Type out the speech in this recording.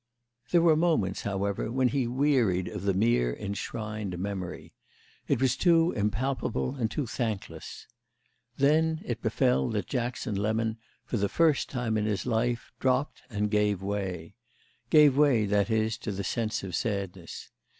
There were moments, however, when he wearied of the mere enshrined memory—it was too impalpable and too thankless. Then it befell that Jackson Lemon for the first time in his life dropped and gave way—gave way, that is, to the sense of sadness.